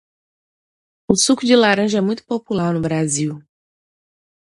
O suco de laranja é muito popular no Brasil.